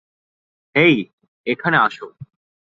হেই, এখানে আসো।